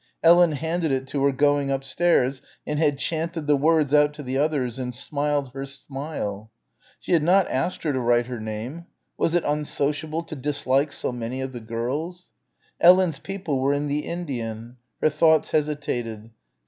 Ellen handed it to her going upstairs and had chanted the words out to the others and smiled her smile ... she had not asked her to write her name ... was it unsociable to dislike so many of the girls.... Ellen's people were in the Indian ... her thoughts hesitated....